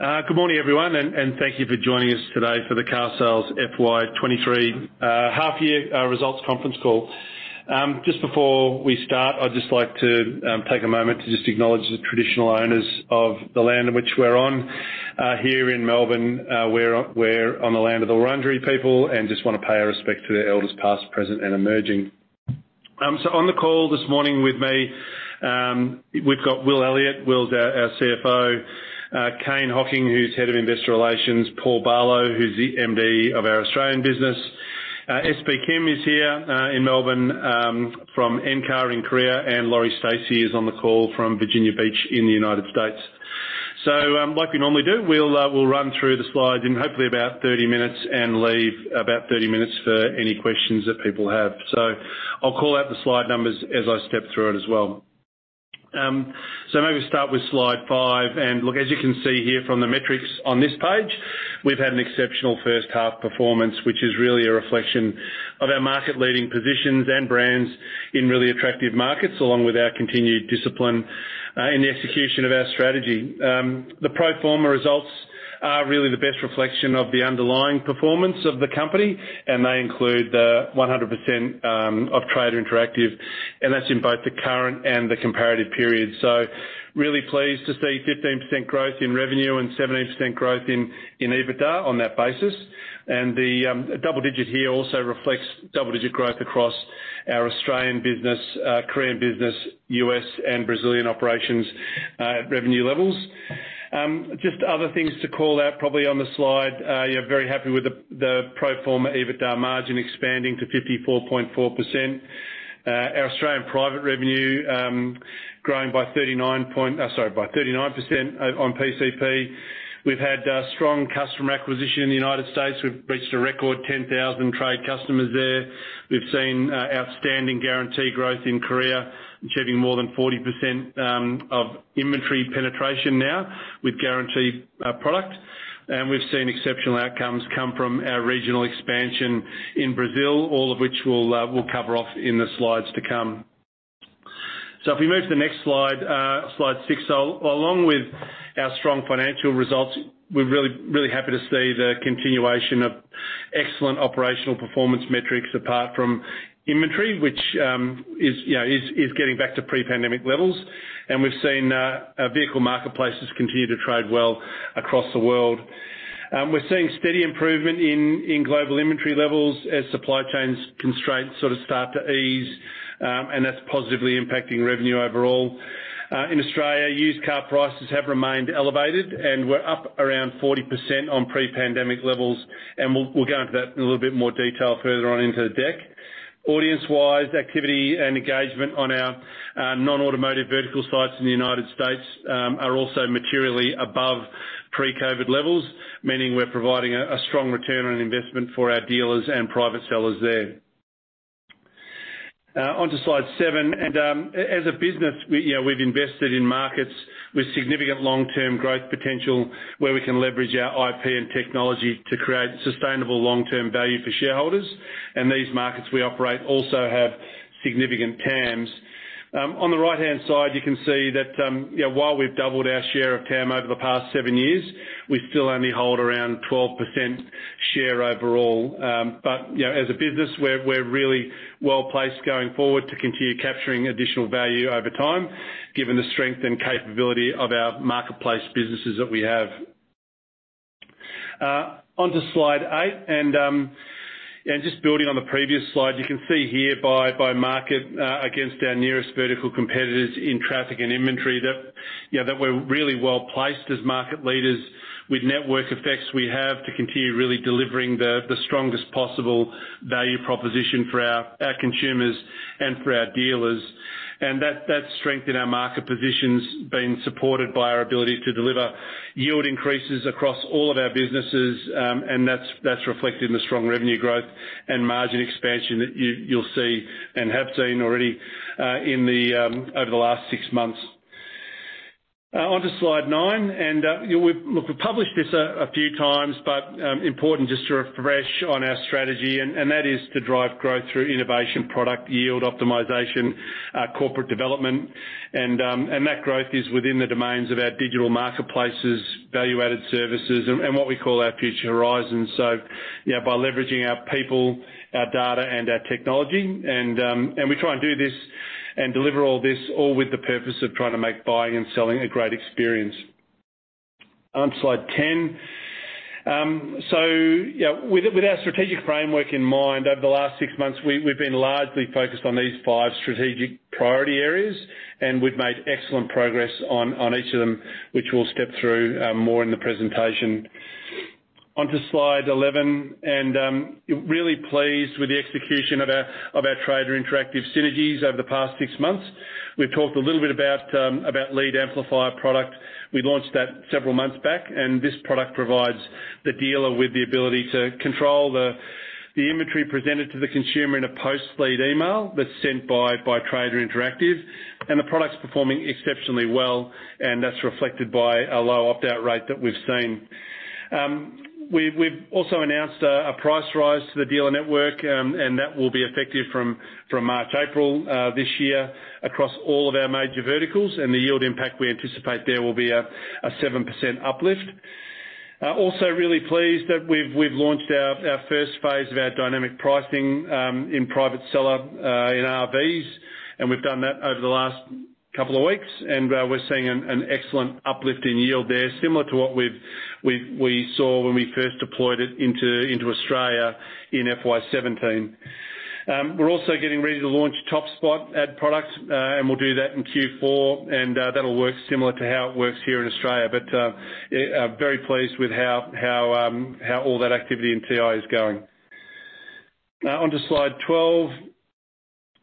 Good morning, everyone, and thank you for joining us today for the Carsales FY23 half year results conference call. Just before we start, I'd just like to take a moment to just acknowledge the traditional owners of the land in which we're on here in Melbourne. We're on the land of the Wurundjeri people and just wanna pay our respect to their elders past, present, and emerging. On the call this morning with me, we've got Will Elliott. Will's our CFO. Kane Hocking, who's Head of Investor Relations. Paul Barlow, who's the MD of our Australian business. SB Kim is here in Melbourne from NCAR in Korea, and Laurie Stacey is on the call from Virginia Beach in the United States. Like we normally do, we'll run through the slides in hopefully about 30 minutes and leave about 30 minutes for any questions that people have. I'll call out the slide numbers as I step through it as well. Maybe start with slide five. Look, as you can see here from the metrics on this page, we've had an exceptional first half performance, which is really a reflection of our market leading positions and brands in really attractive markets, along with our continued discipline in the execution of our strategy. The pro forma results are really the best reflection of the underlying performance of the company, and they include the 100% of Trader Interactive, and that's in both the current and the comparative period. Really pleased to see 15% growth in revenue and 17% growth in EBITDA on that basis. The double digit here also reflects double-digit growth across our Australian business, Korean business, US, and Brazilian operations, revenue levels. Just other things to call out probably on the slide. Yeah, very happy with the pro forma EBITDA margin expanding to 54.4%. Our Australian private revenue growing by 39% on PCP. We've had strong customer acquisition in the United States. We've reached a record 10,000 trade customers there. We've seen outstanding Guarantee growth in Korea, achieving more than 40% of inventory penetration now with Guarantee product. We've seen exceptional outcomes come from our regional expansion in Brazil, all of which we'll cover off in the slides to come. If we move to the next slide six. Along with our strong financial results, we're really, really happy to see the continuation of excellent operational performance metrics apart from inventory, which, you know, is getting back to pre-pandemic levels. We've seen vehicle marketplaces continue to trade well across the world. We're seeing steady improvement in global inventory levels as supply chains constraints sort of start to ease, that's positively impacting revenue overall. In Australia, used car prices have remained elevated, we're up around 40% on pre-pandemic levels, and we'll go into that in a little bit more detail further on into the deck. Audience-wise, activity and engagement on our non-automotive vertical sites in the United States are also materially above pre-COVID levels, meaning we're providing a strong return on investment for our dealers and private sellers there. Onto slide seven. As a business, we, you know, we've invested in markets with significant long-term growth potential where we can leverage our IP and technology to create sustainable long-term value for shareholders. These markets we operate also have significant TAMs. On the right-hand side, you can see that, you know, while we've doubled our share of TAM over the past seven years, we still only hold around 12% share overall. You know, as a business, we're really well-placed going forward to continue capturing additional value over time, given the strength and capability of our marketplace businesses that we have. Onto slide eight. Just building on the previous slide, you can see here by market, against our nearest vertical competitors in traffic and inventory that, you know, that we're really well-placed as market leaders with network effects we have to continue really delivering the strongest possible value proposition for our consumers and for our dealers. That, that strength in our market position's been supported by our ability to deliver yield increases across all of our businesses, and that's reflected in the strong revenue growth and margin expansion that you'll see and have seen already, in the over the last six months. Onto slide nine. We've... Look, we've published this a few times, but important just to refresh on our strategy, and that is to drive growth through innovation, product yield, optimization, corporate development. That growth is within the domains of our digital marketplaces, value-added services, and what we call our future horizons. You know, by leveraging our people, our data, and our technology. We try and do this and deliver all this all with the purpose of trying to make buying and selling a great experience. Slide 10. You know, with our strategic framework in mind, over the last six months, we've been largely focused on these five strategic priority areas, and we've made excellent progress on each of them, which we'll step through more in the presentation. Onto Slide 11. Really pleased with the execution of our Trader Interactive synergies over the past six months. We've talked a little bit about Lead Amplifier product. We launched that several months back. This product provides the dealer with the ability to control the inventory presented to the consumer in a post lead email that's sent by Trader Interactive. The product's performing exceptionally well, and that's reflected by a low opt-out rate that we've seen. We've also announced a price rise to the dealer network, and that will be effective from March, April this year across all of our major verticals. The yield impact we anticipate there will be a 7% uplift. Also really pleased that we've launched our phase I of our dynamic pricing in private seller in RVs. We've done that over the last couple of weeks, and we're seeing an excellent uplift in yield there similar to what we saw when we first deployed it into Australia in FY17. We're also getting ready to launch Top Spot ad products. We'll do that in Q4, and that'll work similar to how it works here in Australia. Very pleased with how all that activity in TI is going. Now onto slide 12.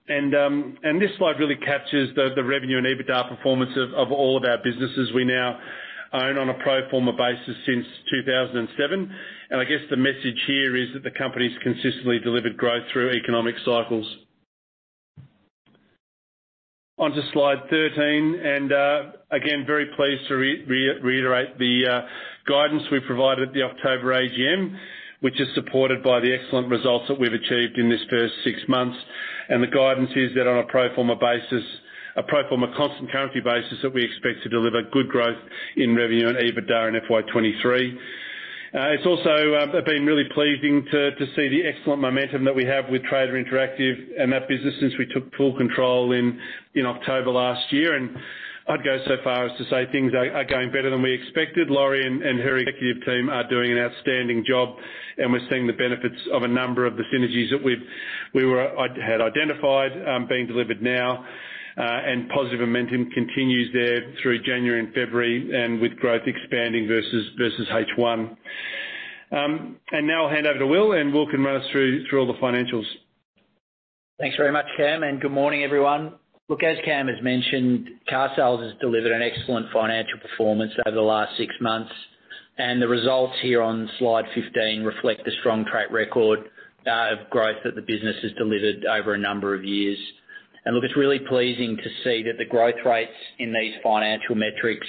This slide really captures the revenue and EBITDA performance of all of our businesses we now own on a pro forma basis since 2007. I guess the message here is that the company's consistently delivered growth through economic cycles. Onto slide 13, again, very pleased to reiterate the guidance we provided at the October AGM, which is supported by the excellent results that we've achieved in this first six months. The guidance is that on a pro forma basis, a pro forma constant currency basis, that we expect to deliver good growth in revenue and EBITDA in FY23. It's also been really pleasing to see the excellent momentum that we have with Trader Interactive and that business since we took full control in October last year. I'd go so far as to say things are going better than we expected. Laurie and her executive team are doing an outstanding job. We're seeing the benefits of a number of the synergies that we've identified being delivered now. Positive momentum continues there through January and February and with growth expanding versus H1. Now I'll hand over to Will, and Will can run us through all the financials. Thanks very much, Cam, and good morning, everyone. Look, as Cam has mentioned, carsales has delivered an excellent financial performance over the last six months, and the results here on slide 15 reflect the strong track record of growth that the business has delivered over a number of years. Look, it's really pleasing to see that the growth rates in these financial metrics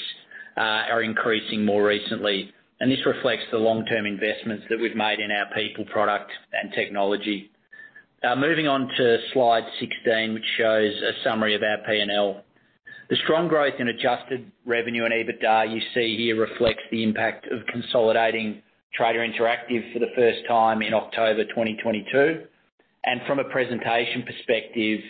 are increasing more recently. This reflects the long-term investments that we've made in our people, product, and technology. Now moving on to slide 16, which shows a summary of our P&L. The strong growth in adjusted revenue and EBITDA you see here reflects the impact of consolidating Trader Interactive for the first time in October 2022. From a presentation perspective,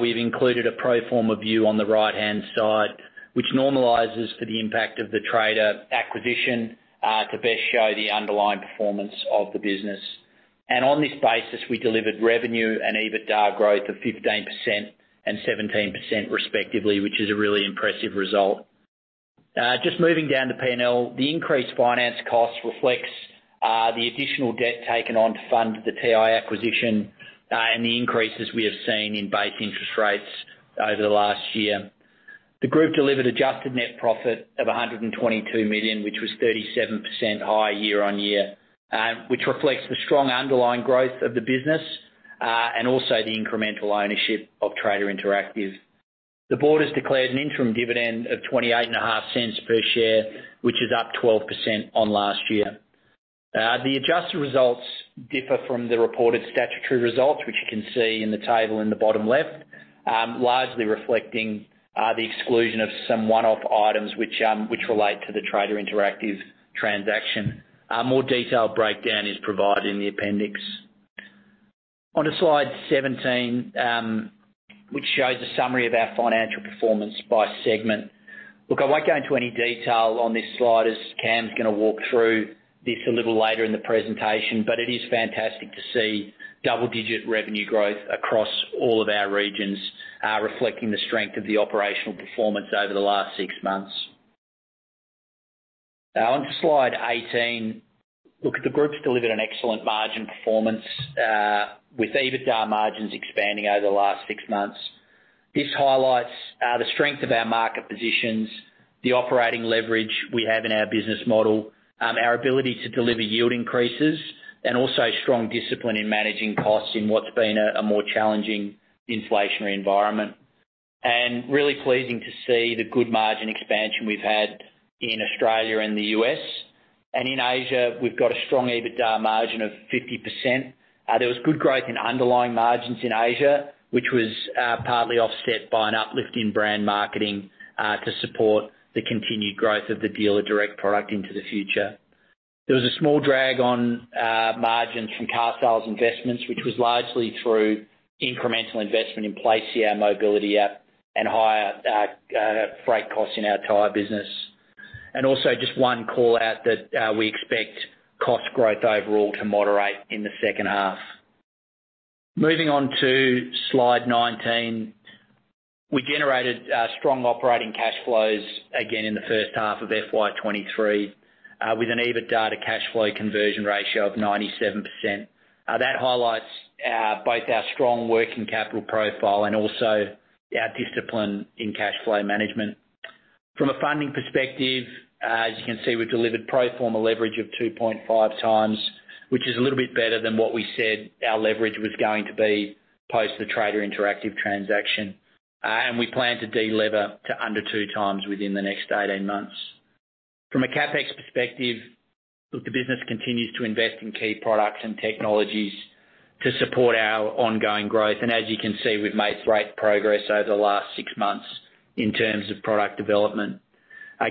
we've included a pro forma view on the right-hand side, which normalizes for the impact of the Trader acquisition, to best show the underlying performance of the business. On this basis, we delivered revenue and EBITDA growth of 15% and 17% respectively, which is a really impressive result. Just moving down to P&L, the increased finance cost reflects the additional debt taken on to fund the TI acquisition, and the increases we have seen in base interest rates over the last year. The group delivered adjusted net profit of 122 million, which was 37% higher year-on-year, which reflects the strong underlying growth of the business, and also the incremental ownership of Trader Interactive. The board has declared an interim dividend of 28.5 Per share, which is up 12% on last year. The adjusted results differ from the reported statutory results, which you can see in the table in the bottom left, largely reflecting the exclusion of some one-off items which relate to the Trader Interactive transaction. A more detailed breakdown is provided in the appendix. Onto slide 17, which shows a summary of our financial performance by segment. I won't go into any detail on this slide as Cam's gonna walk through this a little later in the presentation, but it is fantastic to see double-digit revenue growth across all of our regions, reflecting the strength of the operational performance over the last six months. Onto slide 18. Look, the group's delivered an excellent margin performance, with EBITDA margins expanding over the last six months. This highlights the strength of our market positions, the operating leverage we have in our business model, our ability to deliver yield increases, and also strong discipline in managing costs in what's been a more challenging inflationary environment. Really pleasing to see the good margin expansion we've had in Australia and the US. In Asia, we've got a strong EBITDA margin of 50%. There was good growth in underlying margins in Asia, which was partly offset by an uplift in brand marketing, to support the continued growth of the Dealer Direct product into the future. There was a small drag on margins from carsales investments, which was largely through incremental investment in place of our mobility app and higher freight costs in our tire business. Just one call-out that we expect cost growth overall to moderate in the second half. Moving on to slide 19. We generated strong operating cash flows again in the first half of FY23 with an EBITDA to cash flow conversion ratio of 97%. That highlights both our strong working capital profile and also our discipline in cash flow management. From a funding perspective, as you can see, we've delivered pro forma leverage of 2.5x, which is a little bit better than what we said our leverage was going to be post the Trader Interactive transaction. We plan to de-lever to under 2x within the next 18 months. From a CapEx perspective, look, the business continues to invest in key products and technologies to support our ongoing growth. As you can see, we've made great progress over the last six months in terms of product development.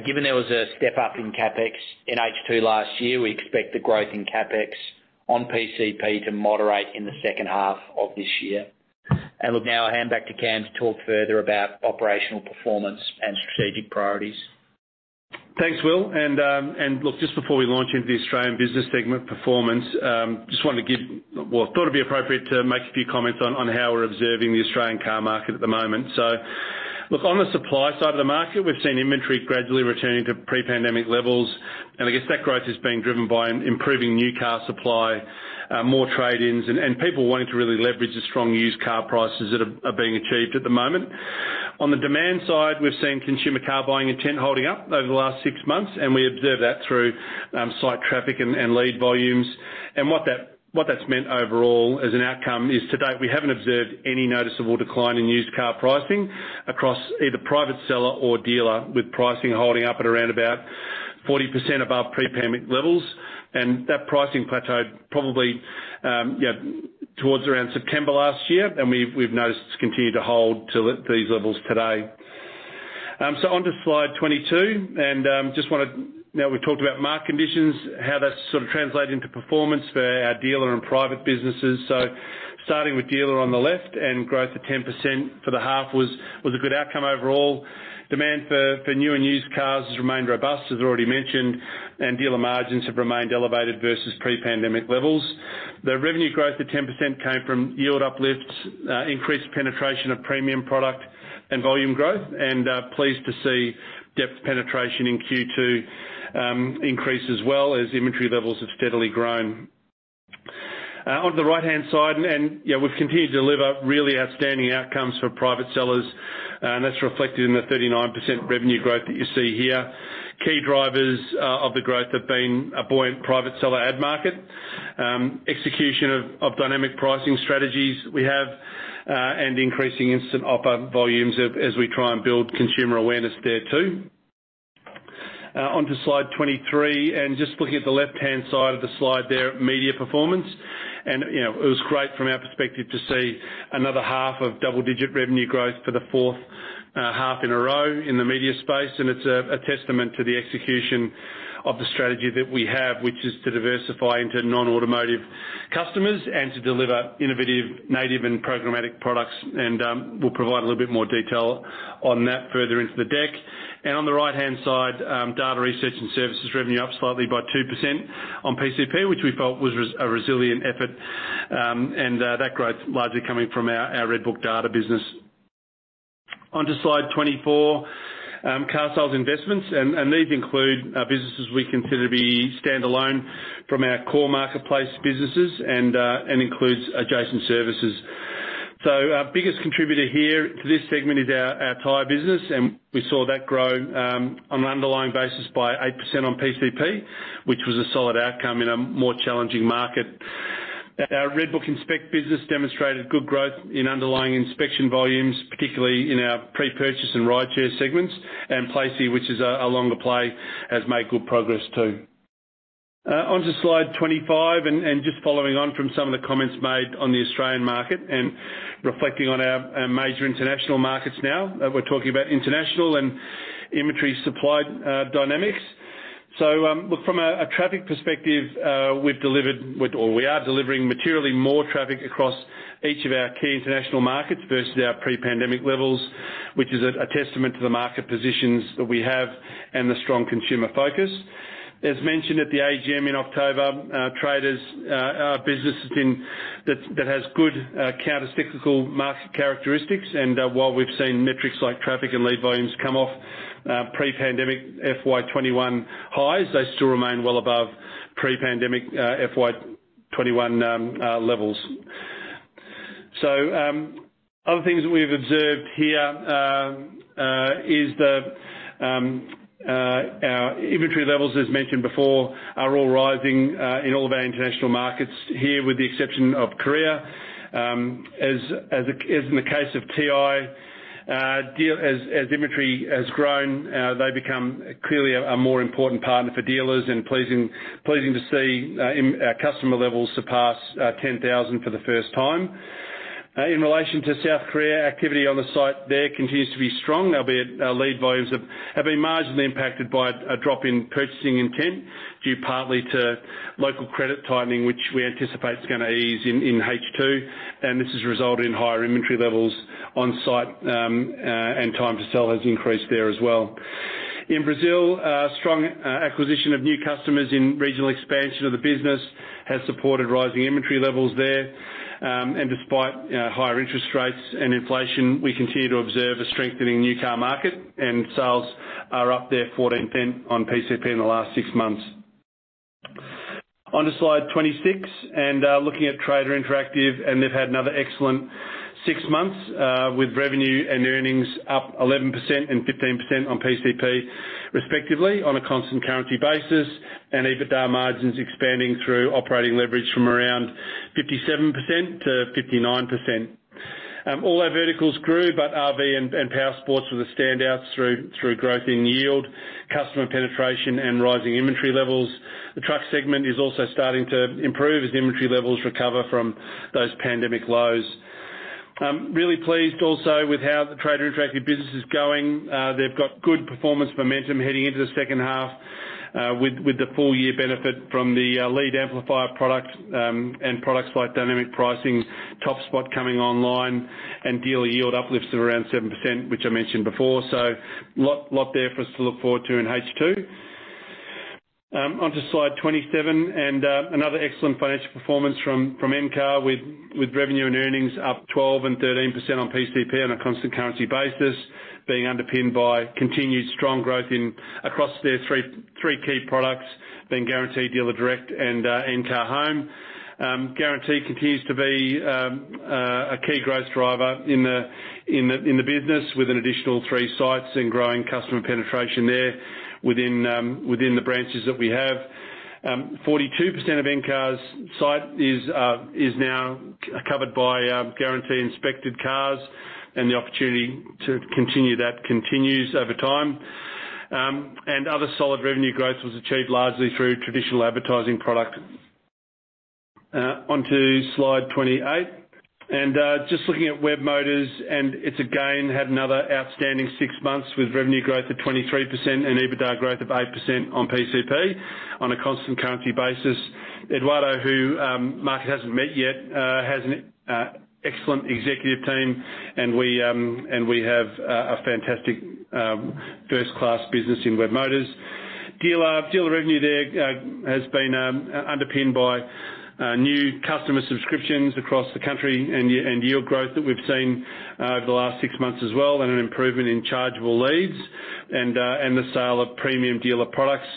Given there was a step up in CapEx in H2 last year, we expect the growth in CapEx on PCP to moderate in the second half of this year. Look, now I'll hand back to Cam to talk further about operational performance and strategic priorities. Thanks, Will. Look, just before we launch into the Australian business segment performance, I thought it'd be appropriate to make a few comments on how we're observing the Australian car market at the moment. Look, on the supply side of the market, we've seen inventory gradually returning to pre-pandemic levels. I guess that growth is being driven by improving new car supply, more trade-ins and people wanting to really leverage the strong used car prices that are being achieved at the moment. On the demand side, we've seen consumer car buying intent holding up over the last six months, we observe that through site traffic and lead volumes. What that's meant overall as an outcome is to date, we haven't observed any noticeable decline in used car pricing across either private seller or dealer with pricing holding up at around 40% above pre-pandemic levels. That pricing plateaued probably towards around September last year. We've noticed it's continued to hold to these levels today. Onto slide 22. We've talked about market conditions, how that sort of translate into performance for our dealer and private businesses. Starting with dealer on the left and growth of 10% for the half was a good outcome overall. Demand for new and used cars has remained robust, as already mentioned, and dealer margins have remained elevated versus pre-pandemic levels. The revenue growth of 10% came from yield uplifts, increased penetration of premium product and volume growth, and pleased to see Depth penetration in Q2 increase as well as inventory levels have steadily grown. Onto the right-hand side. Yeah, we've continued to deliver really outstanding outcomes for private sellers, and that's reflected in the 39% revenue growth that you see here. Key drivers of the growth have been a buoyant private seller ad market, execution of dynamic pricing strategies we have, and increasing Instant Offer volumes as we try and build consumer awareness there too. Onto slide 23. Just looking at the left-hand side of the slide there, media performance. You know, it was great from our perspective to see another half of double-digit revenue growth for the 4.5 In a row in the media space. It's a testament to the execution of the strategy that we have, which is to diversify into non-automotive customers and to deliver innovative, native, and programmatic products. We'll provide a little bit more detail on that further into the deck. On the right-hand side, data research and services revenue up slightly by 2% on PCP, which we felt was a resilient effort. And that growth largely coming from our RedBook data business. Onto slide 24. carsales investments, and these include businesses we consider to be standalone from our core marketplace businesses and includes adjacent services. Our biggest contributor here to this segment is our tire business, and we saw that grow on an underlying basis by 8% on PCP, which was a solid outcome in a more challenging market. Our RedBook Inspect business demonstrated good growth in underlying inspection volumes, particularly in our pre-purchase and rideshare segments, and Placee, which is a longer play, has made good progress too. Onto slide 25, just following on from some of the comments made on the Australian market and reflecting on our major international markets now. We're talking about international and inventory supply dynamics. Look, from a traffic perspective, we've delivered with or we are delivering materially more traffic across each of our key international markets versus our pre-pandemic levels, which is a testament to the market positions that we have and the strong consumer focus. As mentioned at the AGM in October, Trader Interactive's business has been. That has good countercyclical market characteristics. While we've seen metrics like traffic and lead volumes come off pre-pandemic FY21 highs, they still remain well above pre-pandemic FY21 levels. Other things that we have observed here is our inventory levels, as mentioned before, are all rising in all of our international markets here with the exception of Korea. as in the case of TI, as inventory has grown, they become clearly a more important partner for dealers and pleasing to see, in customer levels surpass 10,000 for the first time. In relation to South Korea, activity on the site there continues to be strong, albeit our lead volumes have been marginally impacted by a drop in purchasing intent, due partly to local credit tightening, which we anticipate is gonna ease in H2. This has resulted in higher inventory levels on site, and time to sell has increased there as well. Brazil, strong acquisition of new customers in regional expansion of the business has supported rising inventory levels there. Despite higher interest rates and inflation, we continue to observe a strengthening new car market, sales are up there 14% on PCP in the last six months. Onto slide 26. Looking at Trader Interactive, they've had another excellent six months with revenue and earnings up 11% and 15% on PCP, respectively, on a constant currency basis. EBITDA margins expanding through operating leverage from around 57%-59%. All our verticals grew, but RV and powersports were the standouts through growth in yield, customer penetration, and rising inventory levels. The truck segment is also starting to improve as inventory levels recover from those pandemic lows. Really pleased also with how the Trader Interactive business is going. They've got good performance momentum heading into the second half with the Lead Amplifier product and products like dynamic pricing, Top Spot coming online, and dealer yield uplifts of around 7%, which I mentioned before. Lot there for us to look forward to in H2. On to slide 27. Another excellent financial performance from Encar with revenue and earnings up 12% and 13% on PCP on a constant currency basis, being underpinned by continued strong growth across their three key products being Guarantee, Dealer Direct, and myCar Home. Guarantee continues to be a key growth driver in the business with an additional three sites and growing customer penetration there within the branches that we have. 42% of Encar's site is now covered by Guarantee inspected cars and the opportunity to continue that continues over time. Other solid revenue growth was achieved largely through traditional advertising product. On to slide 28. Just looking at Webmotors, it's again had another outstanding six months with revenue growth of 23% and EBITDA growth of 8% on PCP on a constant currency basis. Eduardo, who market hasn't met yet, has an excellent executive team, and we have a fantastic first-class business in Webmotors. Dealer revenue there has been underpinned by new customer subscriptions across the country and yield growth that we've seen over the last six months as well, and an improvement in chargeable leads and the sale of premium dealer products,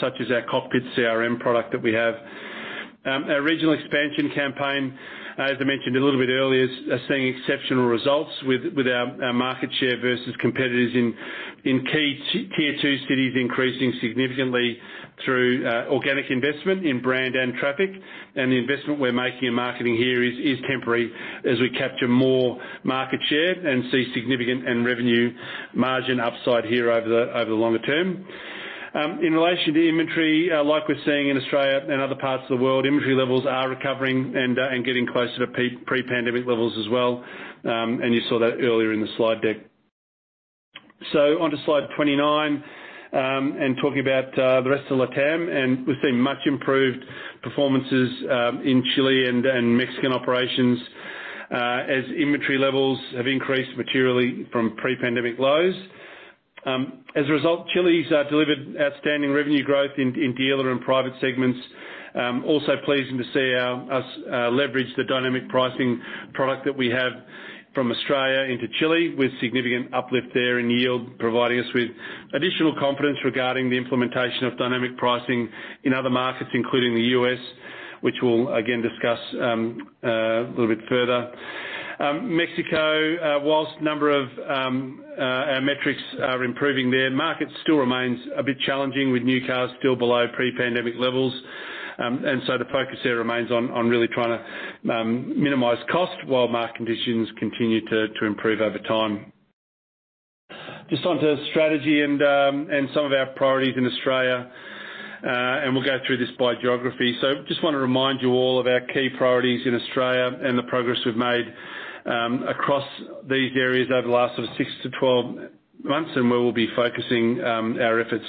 such as our Cockpit CRM product that we have. Our regional expansion campaign, as I mentioned a little bit earlier, is seeing exceptional results with our market share versus competitors in key tier two cities increasing significantly through organic investment in brand and traffic. The investment we're making in marketing here is temporary as we capture more market share and see significant and revenue margin upside here over the longer term. In relation to inventory, like we're seeing in Australia and other parts of the world, inventory levels are recovering and getting closer to pre-pandemic levels as well, and you saw that earlier in the slide deck. Onto slide 29, and talking about the rest of LatAm, and we've seen much improved performances in Chile and Mexican operations as inventory levels have increased materially from pre-pandemic lows. As a result, Chile's delivered outstanding revenue growth in dealer and private segments. Also pleasing to see us leverage the dynamic pricing product that we have from Australia into Chile with significant uplift there in yield, providing us with additional confidence regarding the implementation of dynamic pricing in other markets, including the US, which we'll again discuss a little bit further. Mexico, whilst number of our metrics are improving there, market still remains a bit challenging with new cars still below pre-pandemic levels. The focus there remains on really trying to minimize cost while market conditions continue to improve over time. Just on to strategy and some of our priorities in Australia, and we'll go through this by geography. Just wanna remind you all of our key priorities in Australia and the progress we've made across these areas over the last sort of six-12 months and where we'll be focusing our efforts.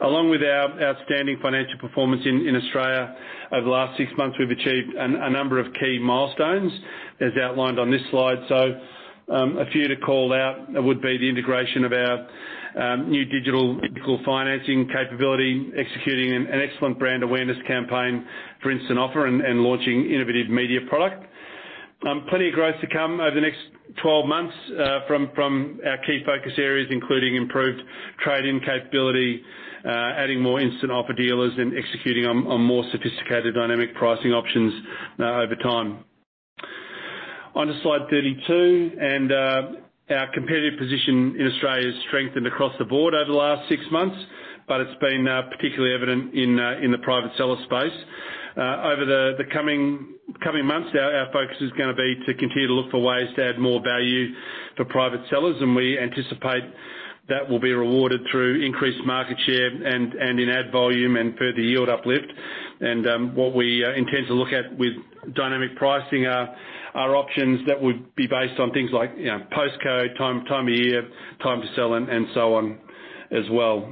Along with our outstanding financial performance in Australia, over the last six months, we've achieved a number of key milestones as outlined on this slide. A few to call out would be the integration of our new digital financing capability, executing an excellent brand awareness campaign for Instant Offer and launching innovative media product. Plenty of growth to come over the next 12 months from our key focus areas, including improved trade-in capability, adding more Instant Offer dealers and executing on more sophisticated dynamic pricing options over time. On to slide 32, our competitive position in Australia has strengthened across the board over the last six months, but it's been particularly evident in the private seller space. Over the coming months, our focus is gonna be to continue to look for ways to add more value for private sellers. We anticipate that will be rewarded through increased market share and in ad volume and further yield uplift. What we intend to look at with dynamic pricing are options that would be based on things like, you know, postcode, time of year, time to sell and so on as well.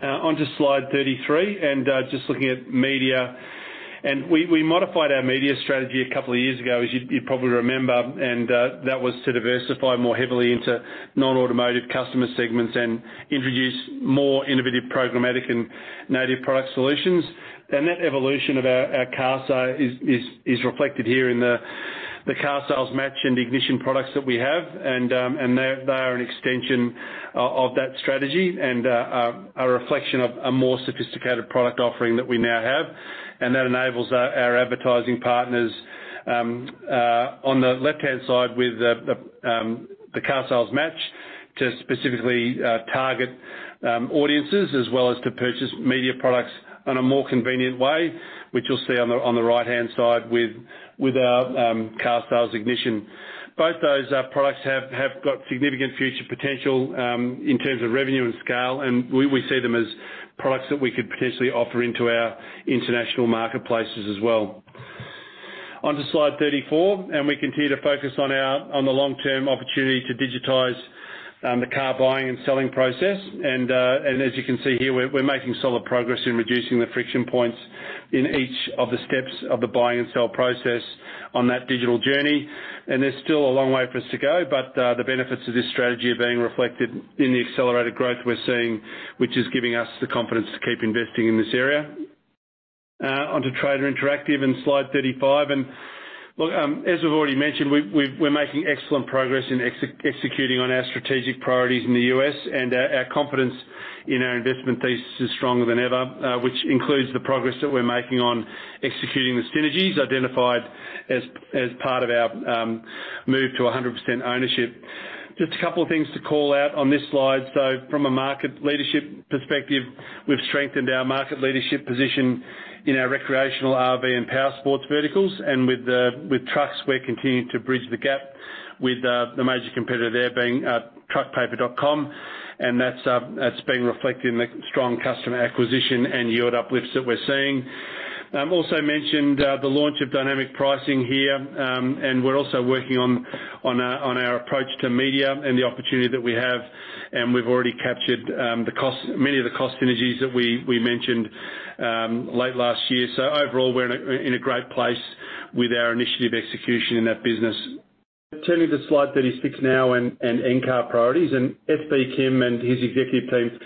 Onto slide 33 and just looking at media. We modified our media strategy a couple of years ago, as you probably remember, and that was to diversify more heavily into non-automotive customer segments and introduce more innovative programmatic and native product solutions. That evolution of our car site is reflected here in the carsales Match and Ignition products that we have. They are an extension of that strategy and are a reflection of a more sophisticated product offering that we now have, and that enables our advertising partners on the left-hand side with the carsales Match. To specifically target audiences as well as to purchase media products on a more convenient way, which you'll see on the right-hand side with our carsales Ignition. Both those products have got significant future potential in terms of revenue and scale, and we see them as products that we could potentially offer into our international marketplaces as well. On to slide 34, we continue to focus on the long-term opportunity to digitize the car buying and selling process. As you can see here, we're making solid progress in reducing the friction points in each of the steps of the buying and sell process on that digital journey. There's still a long way for us to go, but the benefits of this strategy are being reflected in the accelerated growth we're seeing, which is giving us the confidence to keep investing in this area. Onto Trader Interactive in slide 35. Look, as we've already mentioned, we're making excellent progress in executing on our strategic priorities in the U.S., and our confidence in our investment thesis is stronger than ever, which includes the progress that we're making on executing the synergies identified as part of our move to a 100% ownership. Just a couple of things to call out on this slide. From a market leadership perspective, we've strengthened our market leadership position in our recreational RV and powersports verticals. With trucks, we're continuing to bridge the gap with the major competitor there being TruckPaper.com. That's being reflected in the strong customer acquisition and yield uplifts that we're seeing. Also mentioned the launch of dynamic pricing here. We're also working on our approach to media and the opportunity that we have, and we've already captured many of the cost synergies that we mentioned late last year. Overall, we're in a great place with our initiative execution in that business. Turning to slide 36 now and Encar priorities. FB Kim and his executive team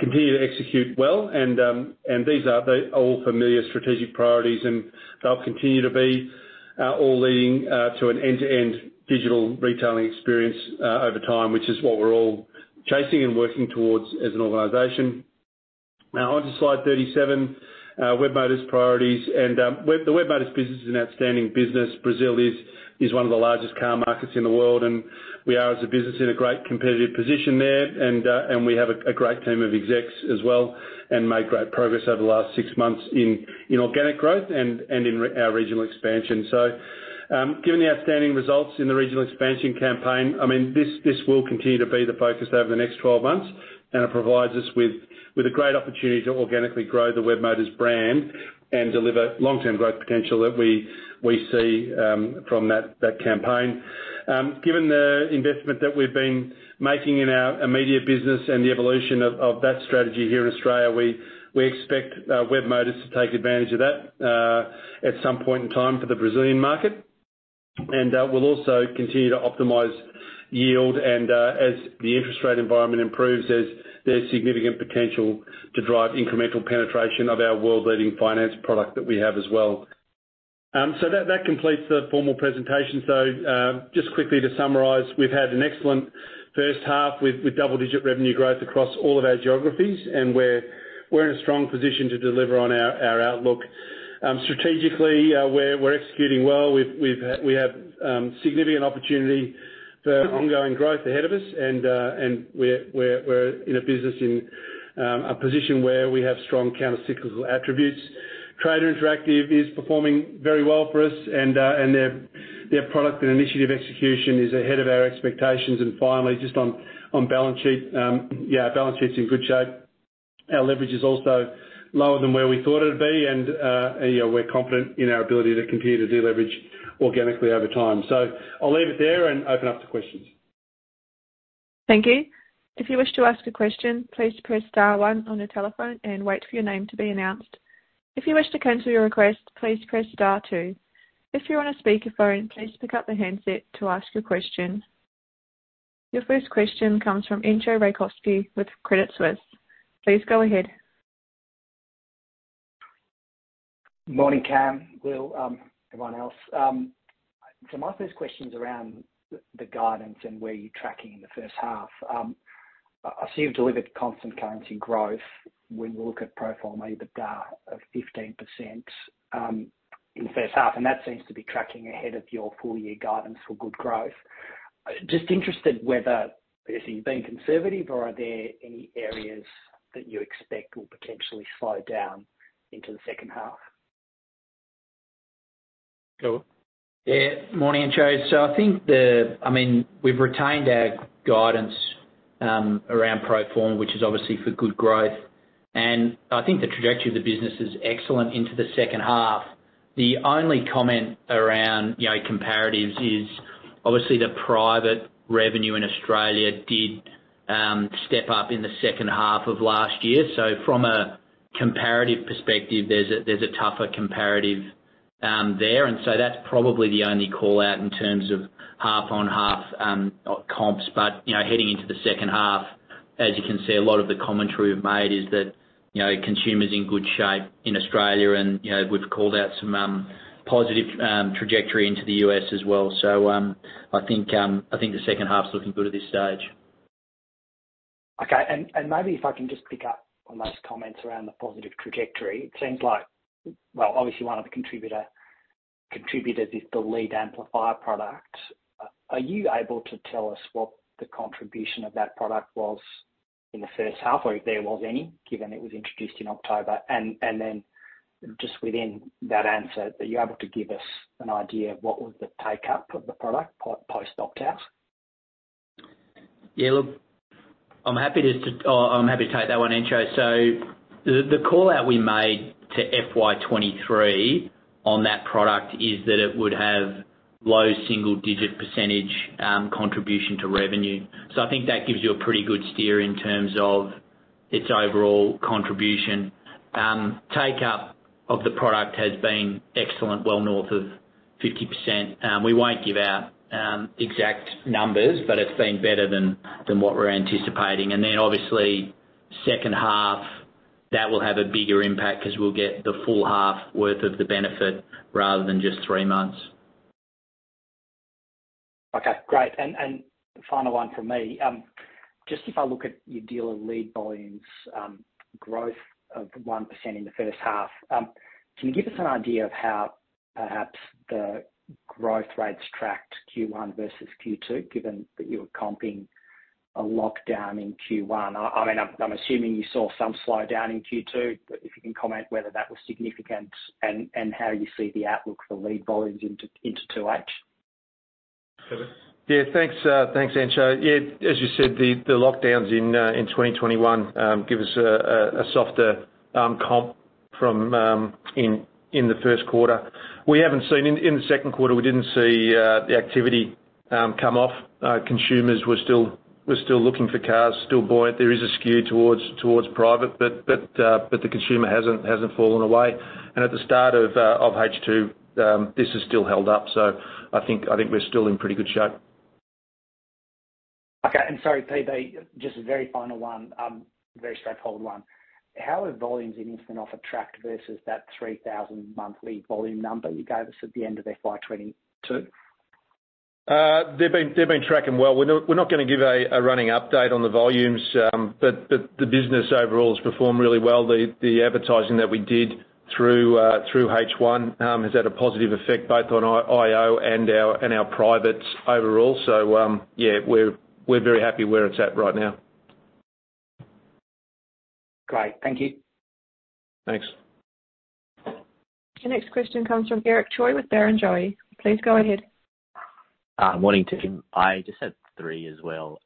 continue to execute well. These are the all familiar strategic priorities, and they'll continue to be all leading to an end-to-end digital retailing experience over time, which is what we're all chasing and working towards as an organization. Now onto slide 37, Webmotors priorities. The Webmotors business is an outstanding business. Brazil is one of the largest car markets in the world, and we are as a business in a great competitive position there. We have a great team of execs as well, and made great progress over the last six months in organic growth and in our regional expansion. Given the outstanding results in the regional expansion campaign, I mean, this will continue to be the focus over the next 12 months, and it provides us with a great opportunity to organically grow the Webmotors brand and deliver long-term growth potential that we see from that campaign. Given the investment that we've been making in our immediate business and the evolution of that strategy here in Australia, we expect Webmotors to take advantage of that at some point in time for the Brazilian market. We'll also continue to optimize yield as the interest rate environment improves, there's significant potential to drive incremental penetration of our world-leading finance product that we have as well. That completes the formal presentation. Just quickly to summarize, we've had an excellent first half with double-digit revenue growth across all of our geographies, we're in a strong position to deliver on our outlook. Strategically, we're executing well. We have significant opportunity for ongoing growth ahead of us. We're in a business in a position where we have strong counter-cyclical attributes. Trader Interactive is performing very well for us and their product and initiative execution is ahead of our expectations. Finally, just on balance sheet, yeah, our balance sheet's in good shape. Our leverage is also lower than where we thought it'd be and yeah, we're confident in our ability to continue to deleverage organically over time. I'll leave it there and open up to questions. Thank you. If you wish to ask a question, please press star one on your telephone and wait for your name to be announced. If you wish to cancel your request, please press star two. If you're on a speakerphone, please pick up the handset to ask your question. Your first question comes from Entcho Raykovski with Credit Suisse. Please go ahead. Morning, Cam, Will, everyone else. Most of these questions around the guidance and where you're tracking in the first half. I see you've delivered constant currency growth when we look at pro forma EBITDA of 15% in the first half, that seems to be tracking ahead of your full year guidance for good growth. Just interested whether, if you're being conservative or are there any areas that you expect will potentially slow down into the second half? Sure. Morning, Entcho. I mean, we've retained our guidance around pro forma, which is obviously for good growth. I think the trajectory of the business is excellent into the second half. The only comment around, you know, comparatives is obviously the private revenue in Australia did step up in the second half of last year. From a comparative perspective, there's a tougher comparative there. That's probably the only call-out in terms of half-on-half comps. You know, heading into the second half, as you can see, a lot of the commentary we've made is that, you know, consumer's in good shape in Australia and, you know, we've called out some positive trajectory into the U.S. as well. I think the second half's looking good at this stage. Okay. Maybe if I can just pick up on those comments around the positive trajectory, it seems like, well obviously one of the contributors is the Lead Amplifier product. Are you able to tell us what the contribution of that product was in the first half or if there was any, given it was introduced in October? Just within that answer, are you able to give us an idea of what was the take-up of the product post opt-out? Yeah, look, I'm happy to Oh, I'm happy to take that one, Entcho. The call-out we made to FY23 on that product is that it would have low single-digit % contribution to revenue. I think that gives you a pretty good steer in terms of its overall contribution. Take-up of the product has been excellent, well north of 50%. We won't give out exact numbers, but it's been better than what we're anticipating. Obviously second half, that will have a bigger impact 'cause we'll get the full half worth of the benefit rather than just three months. Okay, great. Final one from me. Just if I look at your dealer lead volumes, growth of 1% in the first half, can you give us an idea of how perhaps the growth rates tracked Q1 versus Q2, given that you were comping a lockdown in Q1? I mean, I'm assuming you saw some slowdown in Q2, but if you can comment whether that was significant and how you see the outlook for lead volumes into 2H. Kevin? Thanks, Entcho. As you said, the lockdowns in 2021 give us a softer comp from in the first quarter. In the second quarter, we didn't see the activity come off. Consumers were still looking for cars, still buoyant. There is a skew towards private, but the consumer hasn't fallen away. At the start of H2, this has still held up. I think we're still in pretty good shape. Okay. Sorry, PB, just a very final one, very straightforward one. How have volumes in Instant Offer tracked versus that 3,000 monthly volume number you gave us at the end of FY22? They've been tracking well. We're not gonna give a running update on the volumes. The business overall has performed really well. The advertising that we did through H1 has had a positive effect both on IO and our privates overall. Yeah, we're very happy where it's at right now. Great. Thank you. Thanks. The next question comes from Eric Choi with Barrenjoey. Please go ahead. Morning to you. I just have three as well.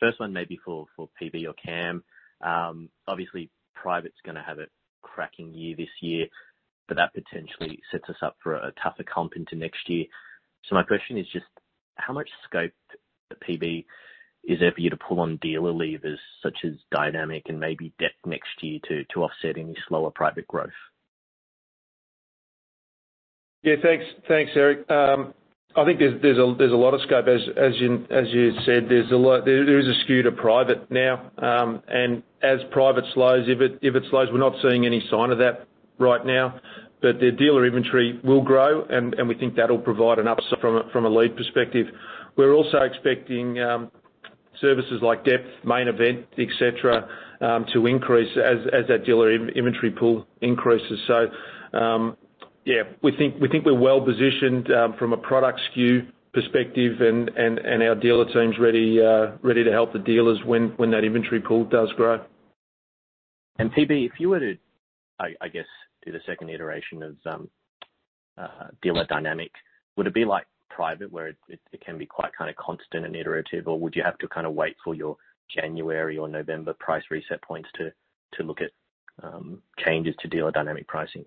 First one maybe for PB or Cam. Obviously, private's going to have a cracking year-this-year. That potentially sets us up for a tougher comp into next year. My question is just how much scope, PB, is there for you to pull on dealer levers such as dynamic pricing and maybe depth next year to offset any slower private growth? Yeah, thanks. Thanks, Eric. I think there's a lot of scope as you said. There is a skew to private now. As private slows, if it slows, we're not seeing any sign of that right now. The dealer inventory will grow, and we think that'll provide an upsell from a lead perspective. We're also expecting services like depth, main event, et cetera, to increase as that dealer in-inventory pool increases. Yeah, we think we're well positioned from a product skew perspective and our dealer team's ready to help the dealers when that inventory pool does grow. PB, if you were to, I guess, do the second iteration of, dealer dynamic, would it be like private where it can be quite kind of constant and iterative, or would you have to kind of wait for your January or November price reset points to look at, changes to dealer Dynamic Pricing?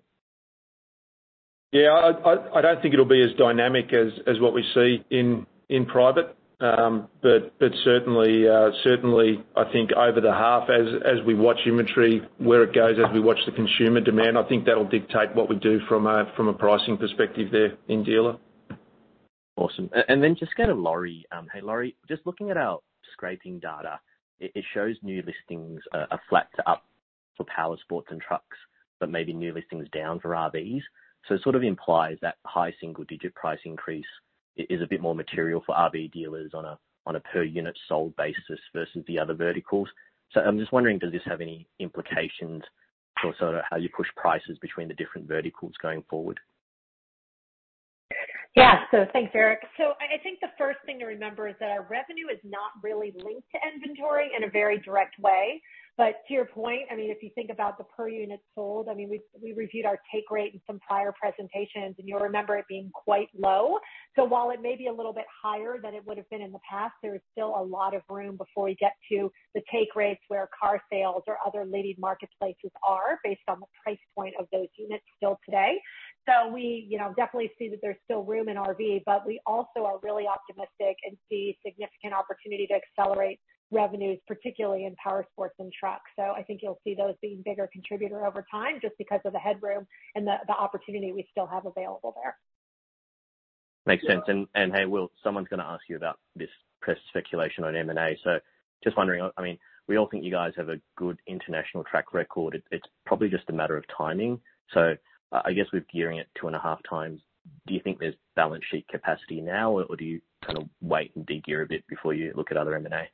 Yeah, I don't think it'll be as dynamic as what we see in private. Certainly, certainly I think over the half as we watch inventory, where it goes as we watch the consumer demand, I think that'll dictate what we do from a pricing perspective there in dealer. Awesome. Just go to Laurie. Hey, Laurie, just looking at our scraping data, it shows new listings are flat to up for powersports and trucks, but maybe new listings down for RVs. It sort of implies that high single-digit price increase is a bit more material for RV dealers on a per unit sold basis versus the other verticals. I'm just wondering, does this have any implications for sort of how you push prices between the different verticals going forward? Thanks, Eric. I think the first thing to remember is that our revenue is not really linked to inventory in a very direct way. To your point, I mean, if you think about the per unit sold, I mean, we reviewed our take rate in some prior presentations, and you'll remember it being quite low. While it may be a little bit higher than it would have been in the past, there is still a lot of room before we get to the take rates where carsales or other leaded marketplaces are based on the price point of those units still today. We, you know, definitely see that there's still room in RV, but we also are really optimistic and see significant opportunity to accelerate revenues, particularly in powersports and trucks. I think you'll see those being bigger contributor over time just because of the headroom and the opportunity we still have available there. Makes sense. Hey, Will, someone's gonna ask you about this press speculation on M&A. Just wondering, I mean, we all think you guys have a good international track record. It's probably just a matter of timing. I guess with gearing at 2.5x, do you think there's balance sheet capacity now, or do you kind of wait and de-gear a bit before you look at other M&A?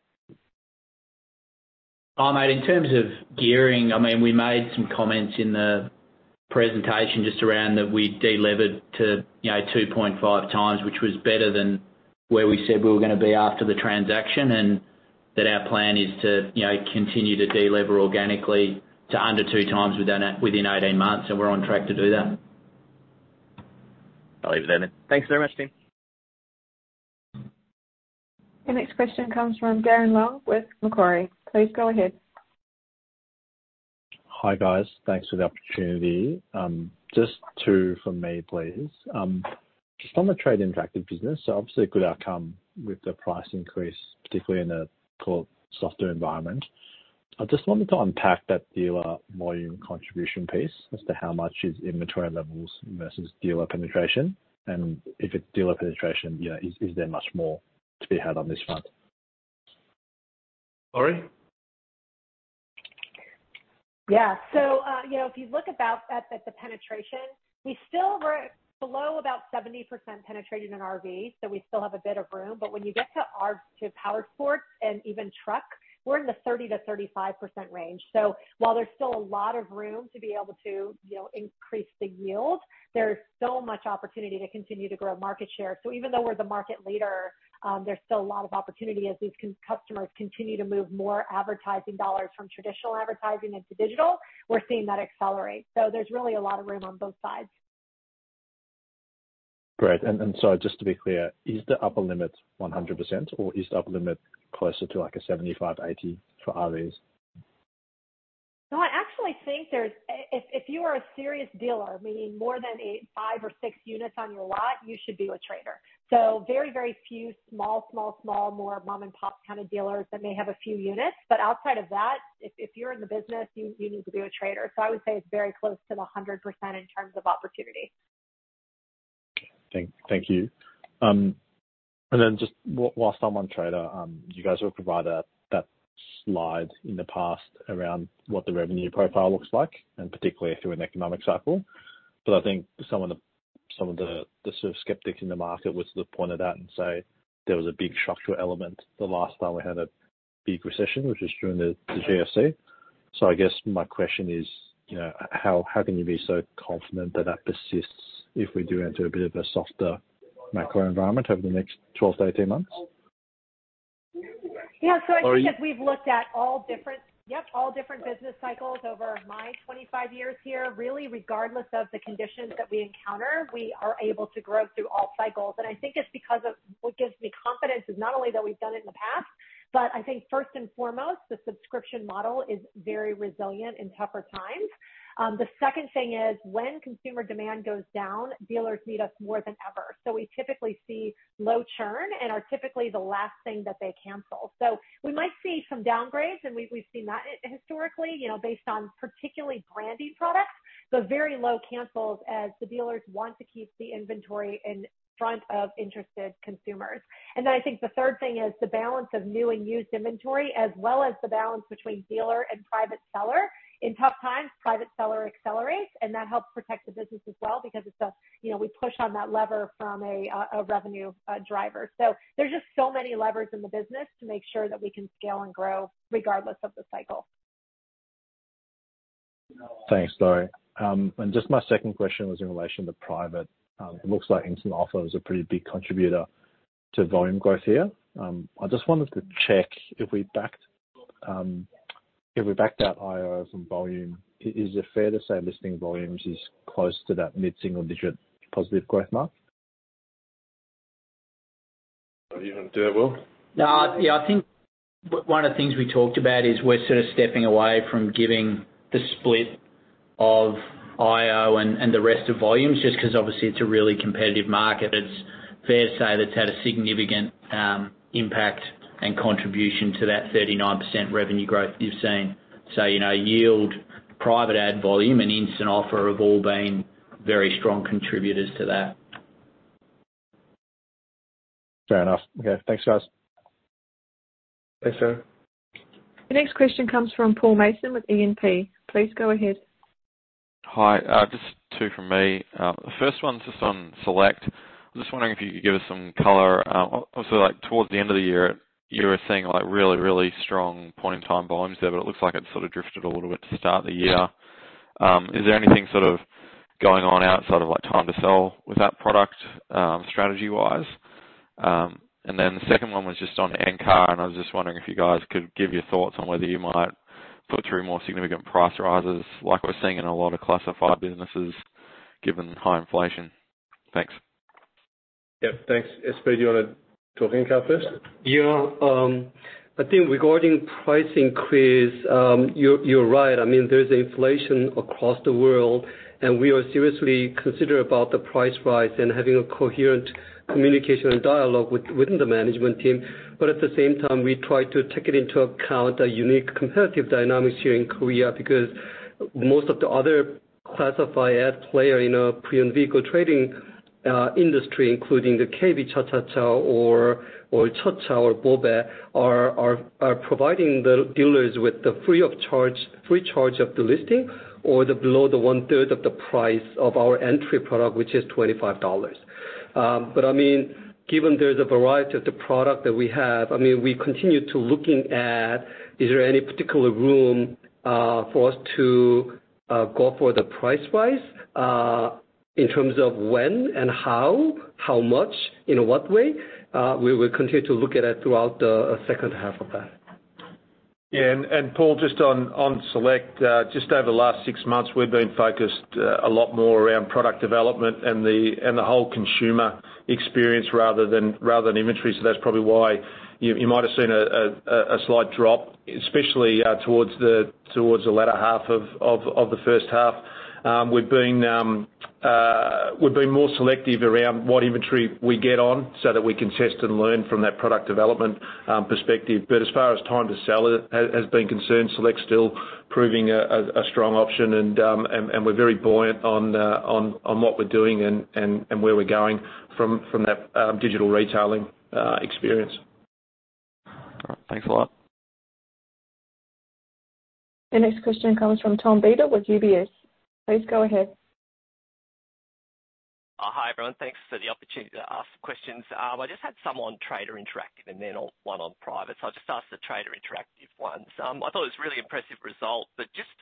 Oh, mate, in terms of gearing, I mean, we made some comments in the presentation just around that we de-levered to, you know, 2.5x, which was better than where we said we were gonna be after the transaction. And that our plan is to, you know, continue to de-lever organically to under 2x within 18 months, and we're on track to do that. I'll leave it there then. Thanks very much, team. The next question comes from Darren Wong with Macquarie. Please go ahead. Hi, guys. Thanks for the opportunity. Just two from me, please. Just on the Trader Interactive business, obviously a good outcome with the price increase, particularly in a softer environment. I just wanted to unpack that dealer volume contribution piece as to how much is inventory levels versus dealer penetration. If it's dealer penetration, you know, is there much more to be had on this front? Laurie? You know, if you look about that, at the penetration, we still were below about 70% penetrated in RV, so we still have a bit of room. When you get to powersports and even truck, we're in the 30%-35% range. While there's still a lot of room to be able to, you know, increase the yield, there is still much opportunity to continue to grow market share. Even though we're the market leader, there's still a lot of opportunity as these customers continue to move more advertising dollars from traditional advertising into digital. We're seeing that accelerate. There's really a lot of room on both sides. Great. Just to be clear, is the upper limit 100% or is the upper limit closer to like a 75%, 80% for RVs? No, I actually think there's. If you are a serious dealer, meaning more than a five or six units on your lot, you should be with Trader. Very few small more mom-and-pop kind of dealers that may have a few units, but outside of that, if you're in the business, you need to be with Trader. I would say it's very close to the 100% in terms of opportunity. Thank you. Just while still on Trader, you guys have provided that slide in the past around what the revenue profile looks like, and particularly through an economic cycle. I think some of the sort of skeptics in the market would sort of point at that and say there was a big structural element the last time we had a big recession, which is during the GFC. I guess my question is, you know, how can you be so confident that that persists if we do enter a bit of a softer macro environment over the next 12 to 18 months? Yeah. I think. Laurie? We've looked at all different business cycles over my 25 years here. Really, regardless of the conditions that we encounter, we are able to grow through all cycles. I think it's because of what gives me confidence is not only that we've done it in the past, but I think first and foremost, the subscription model is very resilient in tougher times. The second thing is when consumer demand goes down, dealers need us more than ever. We typically see low churn and are typically the last thing that they cancel. We might see some downgrades, and we've seen that historically, you know, based on particularly brandy products, but very low cancels as the dealers want to keep the inventory in front of interested consumers. I think the third thing is the balance of new and used inventory, as well as the balance between dealer and private seller. In tough times, private seller accelerates, and that helps protect the business as well because it's a, you know, we push on that lever from a revenue driver. There's just so many levers in the business to make sure that we can scale and grow regardless of the cycle. Thanks, Laurie. Just my second question was in relation to private. It looks like Instant Offer was a pretty big contributor to volume growth here. I just wanted to check if we backed out IO from volume, is it fair to say listing volumes is close to that mid-single digit positive growth mark? You wanna do that, Will? Yeah, I think one of the things we talked about is we're sort of stepping away from giving the split of IO and the rest of volumes just 'cause obviously it's a really competitive market. It's fair to say that's had a significant impact and contribution to that 39% revenue growth you've seen. You know, yield private ad volume and Instant Offer have all been very strong contributors to that. Fair enough. Okay. Thanks, guys. Thanks, Darren. The next question comes from Paul Mason with E&P. Please go ahead. Hi. Just two from me. The first one's just on SELECT. I'm just wondering if you could give us some color, obviously like towards the end of the year, you were seeing like really, really strong point in time volumes there, but it looks like it sort of drifted a little bit to start the year. Is there anything sort of going on outside of like time to sell with that product, strategy-wise? The second one was just on Encar, and I was just wondering if you guys could give your thoughts on whether you might put through more significant price rises like we're seeing in a lot of classified businesses given high inflation. Thanks. Yeah, thanks. Espiridion, you wanna talk Encar first? Yeah. I think regarding price increase, you're right. I mean, there's inflation across the world. We are seriously consider about the price rise and having a coherent communication and dialogue within the management team. At the same time, we try to take it into account a unique competitive dynamics here in Korea because most of the other classified ad player in a pre-owned vehicle trading industry, including the KBChaChaCha or ChaCha or Bobae are providing the dealers with the free of charge of the listing or below the one-third of the price of our entry product, which is 25 dollars. I mean, given there's a variety of the product that we have, I mean, we continue to looking at is there any particular room for us to go for the price wise in terms of when and how much, in what way, we will continue to look at it throughout the second half of that. Paul, just on Select, just over the last six months, we've been focused a lot more around product development and the whole consumer experience rather than inventory. That's probably why you might have seen a slight drop, especially towards the latter half of the first half. We've been more selective around what inventory we get on so that we can test and learn from that product development perspective. As far as time to sell it has been concerned, Select's still proving a strong option. We're very buoyant on what we're doing and where we're going from that digital retailing experience. All right. Thanks a lot. The next question comes from Tom Beadle with UBS. Please go ahead. Hi, everyone. Thanks for the opportunity to ask questions. I just had some on Trader Interactive and then one on private. I'll just ask the Trader Interactive one. I thought it was really impressive result. Just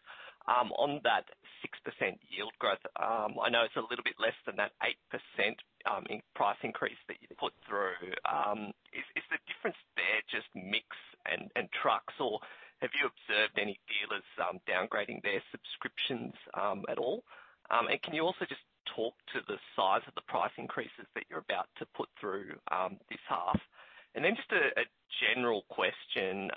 on that 6% yield growth, I know it's a little bit less than that 8% in price increase that you put through. Is the difference there just mix and trucks, or have you observed any dealers downgrading their subscriptions at all? Can you also just talk to the size of the price increases that you're about to put through this half? Just a general question.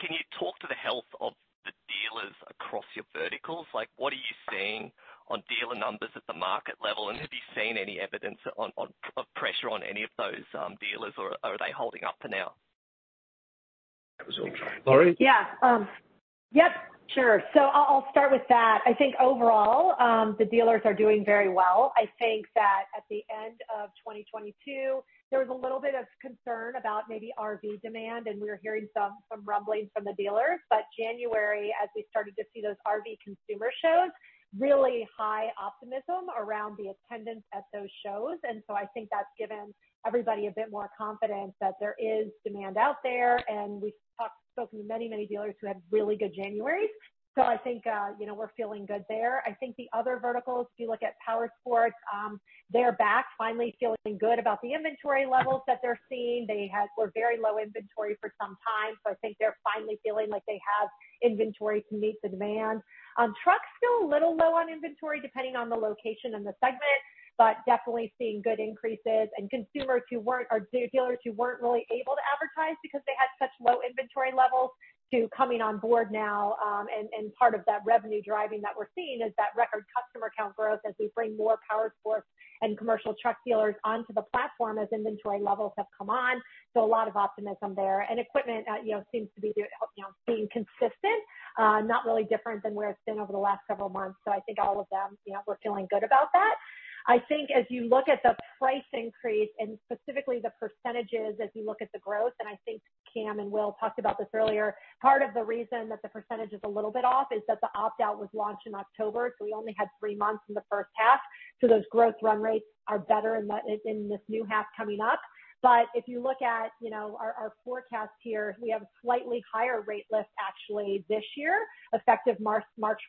Can you talk to the health of the dealers across your verticals? Like, what are you seeing on dealer numbers at the market level, and have you seen any evidence on of pressure on any of those dealers, or are they holding up for now? That was all right. Laurie? Yep, sure. I'll start with that. I think overall, the dealers are doing very well. I think that at the end of 2022, there was a little bit of concern about maybe RV demand, and we were hearing some rumblings from the dealers. January, as we started to see those RV consumer shows, really high optimism around the attendance at those shows. I think that's given everybody a bit more confidence that there is demand out there. We've spoken to many, many dealers who had really good January. I think, you know, we're feeling good there. I think the other verticals, if you look at Powersports, they are back finally feeling good about the inventory levels that they're seeing. They were very low inventory for some time, so I think they're finally feeling like they have inventory to meet the demand. Trucks still a little low on inventory, depending on the location and the segment, but definitely seeing good increases and consumers who weren't or dealers who weren't really able to advertise because they had such low inventory levels to coming on board now. Part of that revenue driving that we're seeing is that record customer count growth as we bring more Powersports and commercial truck dealers onto the platform as inventory levels have come on. A lot of optimism there. Equipment, you know, seems to be, you know, being consistent, not really different than where it's been over the last several months. I think all of them, you know, we're feeling good about that. As you look at the price increase and specifically the percentages as you look at the growth, Cam and Will talked about this earlier, part of the reason that the percentage is a little bit off is that the opt-out was launched in October, we only had three months in the first half. Those growth run rates are better in this new half coming up. If you look at, you know, our forecast here, we have a slightly higher rate lift actually this year, effective March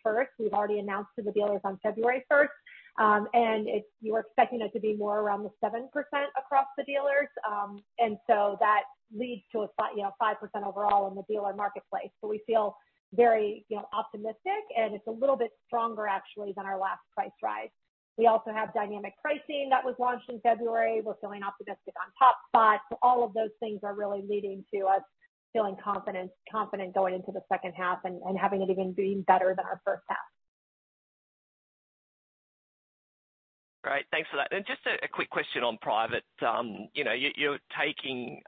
1st. We've already announced to the dealers on February 1st. We're expecting it to be more around the 7% across the dealers. That leads to you know, 5% overall in the dealer marketplace. We feel very, you know, optimistic, and it's a little bit stronger actually than our last price rise. We also have dynamic pricing that was launched in February. We're feeling optimistic on Top Spot. All of those things are really leading to us feeling confident going into the second half and having it even being better than our first half. Great. Thanks for that. Just a quick question on private. You know, you're taking,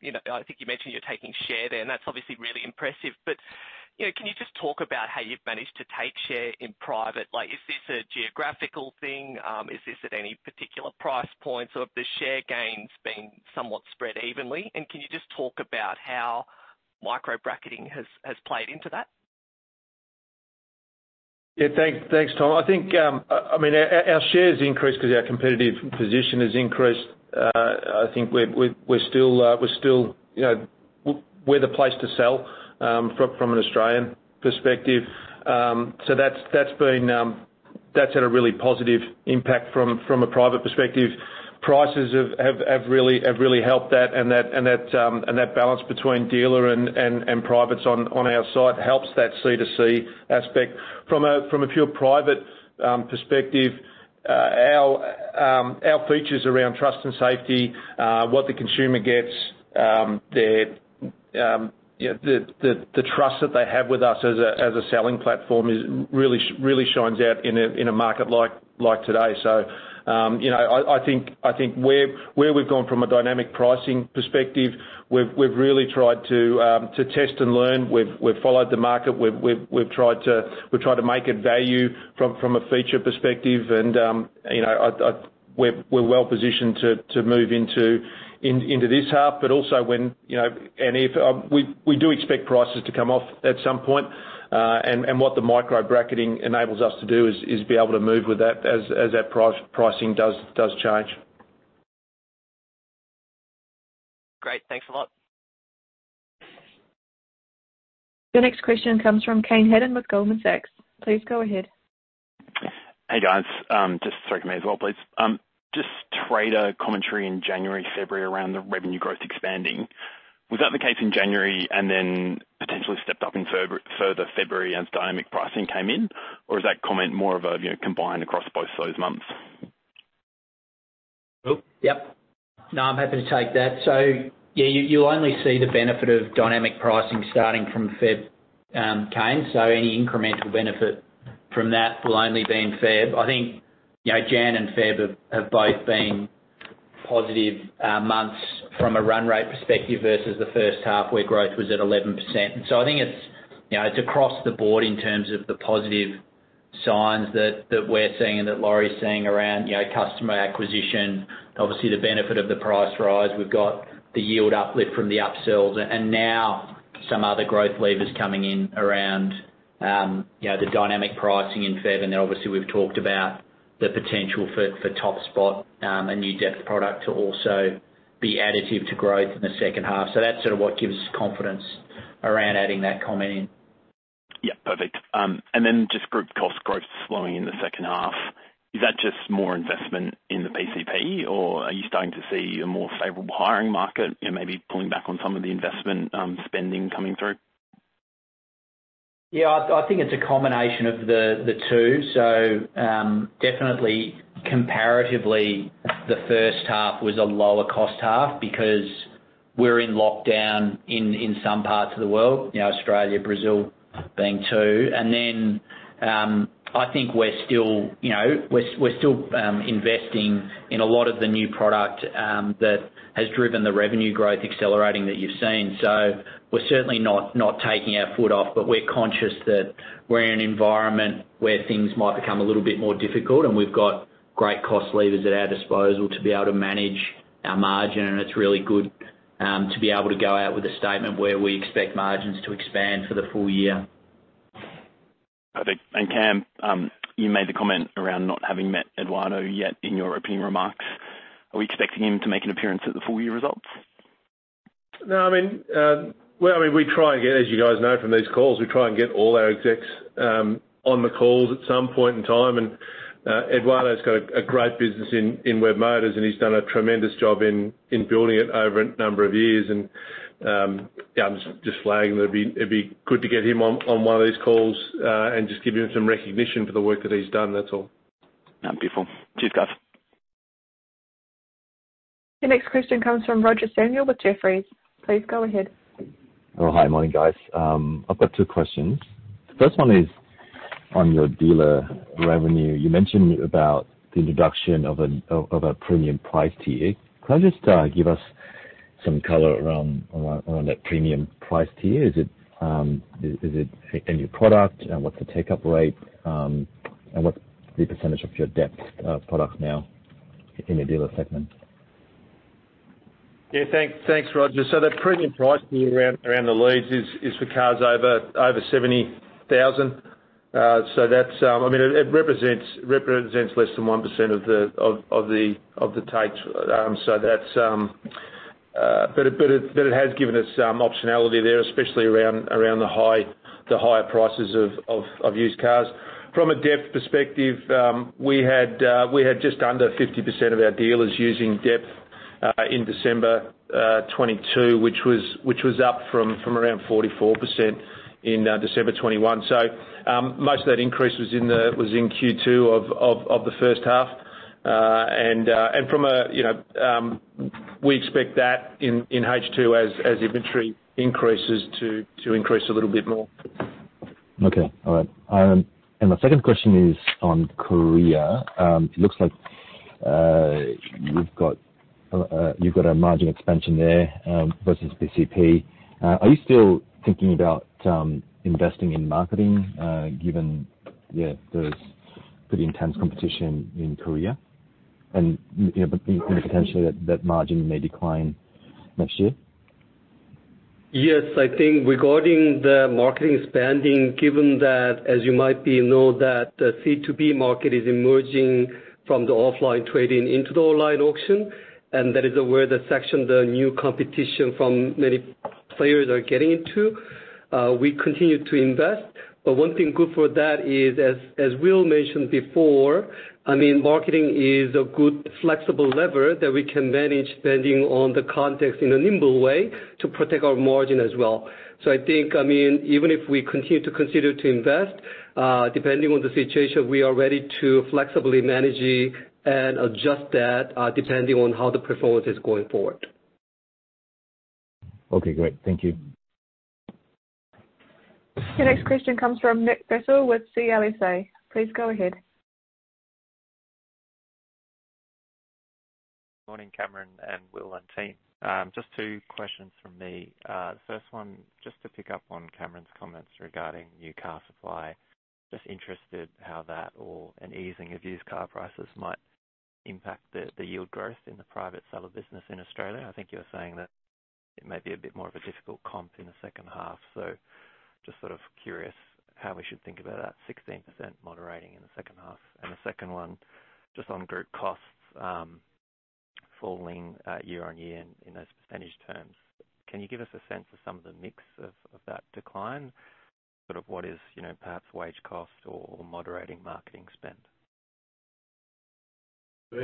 you know, I think you mentioned you're taking share there, that's obviously really impressive. You know, can you just talk about how you've managed to take share in private? Like, is this a geographical thing? Is this at any particular price points, or have the share gains been somewhat spread evenly? Can you just talk about how micro bracketing has played into that? Thanks, Tom. I think, I mean, our shares increased 'cause our competitive position has increased. I think we're still, you know, we're the place to sell from an Australian perspective. That's been, that's had a really positive impact from a private perspective. Prices have really helped that and that balance between dealer and privates on our site helps that C2C aspect. From a pure private perspective, our features around trust and safety, what the consumer gets, you know, the trust that they have with us as a selling platform is really shines out in a market like today. You know, I think where we've gone from a dynamic pricing perspective, we've really tried to test and learn. We've followed the market. We've tried to make it value from a feature perspective. You know, We're well positioned to move into this half, but also when, you know, and if, we do expect prices to come off at some point. What the micro bracketing enables us to do is be able to move with that as that pricing does change. Thanks a lot. The next question comes from Kane Hannan with Goldman Sachs. Please go ahead. Hey, guys. Just sorry for me as well, please. Just Trader Interactive commentary in January, February around the revenue growth expanding. Was that the case in January and then potentially stepped up in further February as dynamic pricing came in? Or is that comment more of a, you know, combined across both those months? Yep. No, I'm happy to take that. Yeah, you only see the benefit of dynamic pricing starting from Feb, Kane. Any incremental benefit from that will only be in Feb. I think, you know, Jan and Feb have both been positive months from a run rate perspective versus the first half where growth was at 11%. I think it's, you know, it's across the board in terms of the positive signs that we're seeing and that Laurie's seeing around, you know, customer acquisition, obviously the benefit of the price rise. We've got the yield uplift from the upsells. Now some other growth levers coming in around, you know, the dynamic pricing in Feb. Obviously we've talked about the potential for Top Spot, a new depth product to also be additive to growth in the second half. That's sort of what gives confidence around adding that comment in. Yeah, perfect. Then just Group cost growth slowing in the second half. Is that just more investment in the PCP or are you starting to see a more favorable hiring market, you know, maybe pulling back on some of the investment spending coming through? Yeah, I think it's a combination of the two. Definitely comparatively, the first half was a lower cost half because we're in lockdown in some parts of the world. You know, Australia, Brazil being two. I think we're still, you know, we're still investing in a lot of the new product that has driven the revenue growth accelerating that you've seen. We're certainly not taking our foot off, but we're conscious that we're in an environment where things might become a little bit more difficult and we've got great cost levers at our disposal to be able to manage our margin. It's really good to be able to go out with a statement where we expect margins to expand for the full year. Perfect. Cam, you made the comment around not having met Eduardo yet in your opening remarks. Are we expecting him to make an appearance at the full year results? No, I mean, well, I mean, we try and get, as you guys know from these calls, we try and get all our execs, on the calls at some point in time. Eduardo's got a great business in Webmotors, and he's done a tremendous job in building it over a number of years. Yeah, I'm just flagging that it'd be, it'd be good to get him on one of these calls, and just give him some recognition for the work that he's done. That's all. Yeah, beautiful. Cheers, guys. Your next question comes from Roger Samuel with Jefferies. Please go ahead. Hi. Morning, guys. I've got two questions. The first one is on your dealer revenue. You mentioned about the introduction of a premium price tier. Can you just give us some color around that premium price tier? Is it a new product? What's the take-up rate? What's the percentage of your depth product now in the dealer segment? Thanks, Roger. The premium price tier around the leads is for cars over 70,000. I mean, it represents less than 1% of the takes. But it has given us some optionality there, especially around the higher prices of used cars. From a depth perspective, we had just under 50% of our dealers using depth in December 2022, which was up from around 44% in December 2021. Most of that increase was in Q2 of the first half. From a, you know, we expect that in H2 as inventory increases to increase a little bit more. Okay. All right. My second question is on Korea. It looks like you've got a margin expansion there versus PCP. Are you still thinking about investing in marketing given there's pretty intense competition in Korea and but in potentially that margin may decline next year? Yes. I think regarding the marketing spending, given that as you might be know that the C2B market is emerging from the offline trading into the online auction, and that is where the section, the new competition from many players are getting into, we continue to invest. One thing good for that is as Will mentioned before, I mean, marketing is a good flexible lever that we can manage spending on the context in a nimble way to protect our margin as well. I think, I mean, even if we continue to consider to invest, depending on the situation, we are ready to flexibly manage it and adjust that, depending on how the performance is going forward. Okay, great. Thank you. Your next question comes from Nick Basile with CLSA. Please go ahead. Morning, Cameron and Will and team. Just two questions from me. The first one, just to pick up on Cameron's comments regarding new car supply. Just interested how that or an easing of used car prices might impact the yield growth in the private seller business in Australia. I think you're saying that it may be a bit more of a difficult comp in the second half. Just sort of curious how we should think about that 16% moderating in the second half. The second one, just on group costs, falling year-over-year in those percentage terms. Can you give us a sense of some of the mix of that decline, sort of what is, you know, perhaps wage cost or moderating marketing spend? Yeah.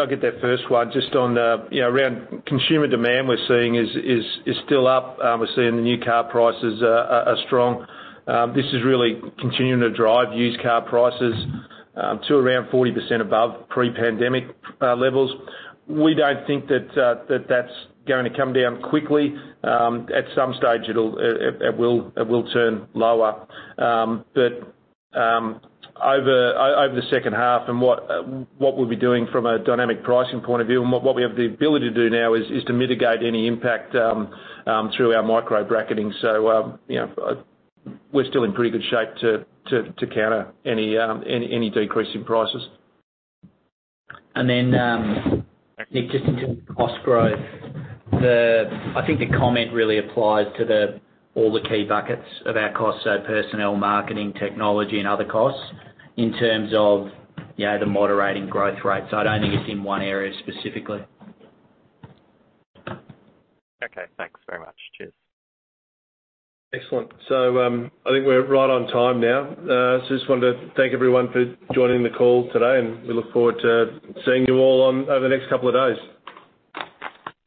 I'll get that first one just on the, you know, around consumer demand we're seeing is still up. We're seeing the new car prices are strong. This is really continuing to drive used car prices to around 40% above pre-pandemic levels. We don't think that that's going to come down quickly. At some stage it will turn lower. Over the second half and what we'll be doing from a dynamic pricing point of view and what we have the ability to do now is to mitigate any impact through our micro bracketing. You know, we're still in pretty good shape to counter any decrease in prices. Nick, just in terms of cost growth, I think the comment really applies to all the key buckets of our costs, so personnel, marketing, technology and other costs in terms of, you know, the moderating growth rates. I don't think it's in one area specifically. Okay, thanks very much. Cheers. Excellent. I think we're right on time now. Just wanted to thank everyone for joining the call today, and we look forward to seeing you all over the next couple of days.